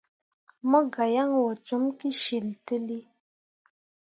Mo gah yan wo com kǝsyiltǝlli.